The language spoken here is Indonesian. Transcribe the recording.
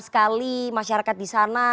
sekali masyarakat disana